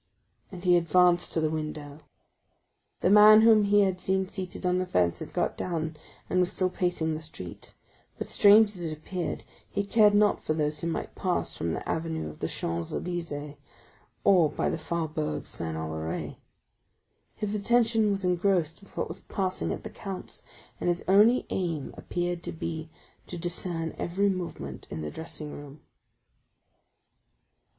And he advanced to the window. The man whom he had seen seated on a fence had got down, and was still pacing the street; but, strange as it appeared, he cared not for those who might pass from the avenue of the Champs Élysées or by the Faubourg Saint Honoré; his attention was engrossed with what was passing at the count's, and his only aim appeared to be to discern every movement in the dressing room.